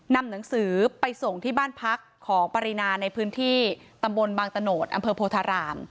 นำหนังสือไปส่งที่บ้านพักของปรินาในพื้นที่ตำบลบางตะโนธอำเภอโพธาราม